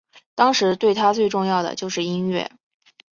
当时对他最重要的就是音乐。